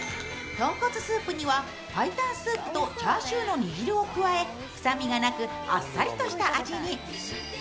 とんこつスープには白湯スープとチャーシューの煮汁を加え臭みがなく、あっさりとした味に。